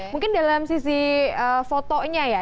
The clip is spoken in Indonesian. mungkin dalam sisi fotonya ya